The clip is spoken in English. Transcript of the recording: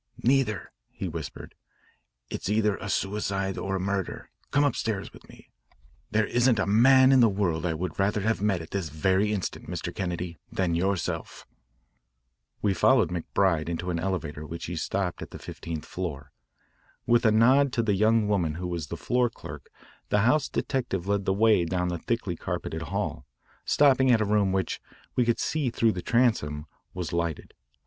"Neither," he whispered. "It's either a suicide or a murder. Come upstairs with me. There isn't a man in the world I would rather have met at this very instant, Mr. Kennedy, than yourself." We followed McBride into an elevator which he stopped at the fifteenth floor. With a nod to the young woman who was the floor clerk, the house detective led the way down the thickly carpeted hall, stopping at a room which, we could see through the transom, was lighted.